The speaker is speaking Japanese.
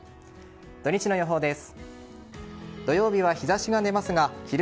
土日の予報です。